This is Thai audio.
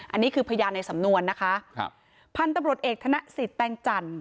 อันนี้คือพยานในสำนวนนะคะครับพันธุ์ตำรวจเอกธนสิทธิแตงจันทร์